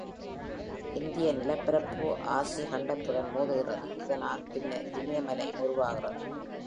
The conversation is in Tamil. இந்திய நிலப்பரப்பு ஆசிய கண்டத்துடன் மோதுகிறது, இதனால் பின்னர் இமயமலையும் உருவாகின்றது.